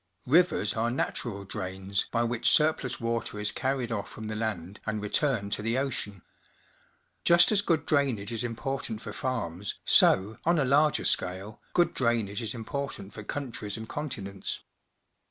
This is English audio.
Rivers are natural drains by which surplus water is carried off from the land and re turned to the ocean. Just as good drainage is important for farms, so, on a larger scale, good drainage is important for countries and continents.